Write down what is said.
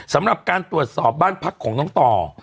สำหรับการตรวจสอบบ้านพักของน้องต่อ